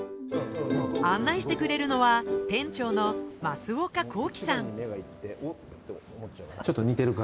案内してくれるのは店長の増岡幸樹さん。